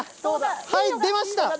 はい、出ました！